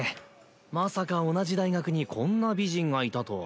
まさか同じ大学にこんな美人がいたとは。